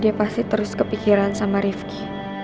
dia pasti terus kepikiran sama rifki